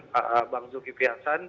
pak bang zulkifiasan